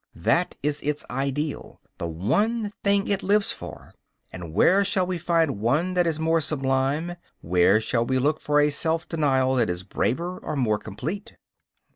That is its ideal, the one thing it lives for; and where shall we find one that is more sublime, where shall we look for a self denial that is braver or more complete?